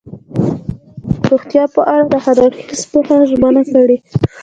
ازادي راډیو د روغتیا په اړه د هر اړخیز پوښښ ژمنه کړې.